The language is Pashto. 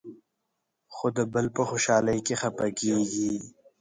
خو د بل په خوشالۍ کې خفه کېږي.